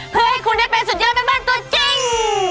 เพื่อให้คุณได้เป็นสุดยอดแม่บ้านตัวจริง